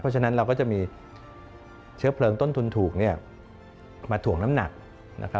เพราะฉะนั้นเราก็จะมีเชื้อเพลิงต้นทุนถูกมาถ่วงน้ำหนักนะครับ